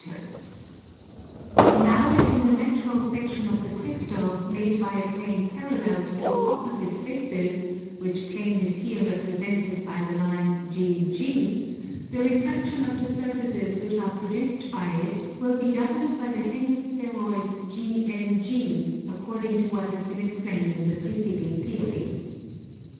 [Illustration: {Section ABKF}] Now as in the natural section of the crystal, made by a plane parallel to two opposite faces, which plane is here represented by the line GG, the refraction of the surfaces which are produced by it will be governed by the hemi spheroids GNG, according to what has been explained in the preceding Theory.